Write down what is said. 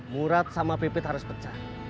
murat sama pipit harus pecah